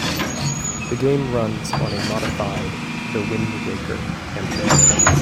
The game runs on a modified "The Wind Waker" engine.